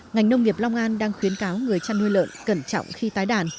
ngành nông nghiệp long an đang khuyến cáo người chăn nuôi lợn cẩn trọng khi tái đàn